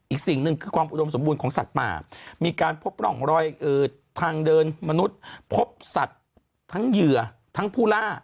สิ่งหนึ่งคือความอุดมสมบูรณ์ของสัตว์ป่ามีการพบร่องรอยทางเดินมนุษย์พบสัตว์ทั้งเหยื่อทั้งผู้ล่า